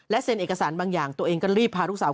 เซ็นเอกสารบางอย่างตัวเองก็รีบพาลูกสาว